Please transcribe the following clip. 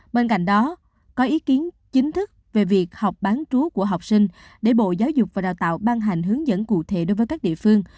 bên cạnh đó có ý kiến chính thức về việc học bán trú của học sinh để bộ giáo dục và đào tạo ban hành hướng dẫn cụ thể đối với các địa phương